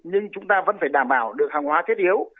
nhưng chúng ta vẫn phải đảm bảo được hàng hóa thiết yếu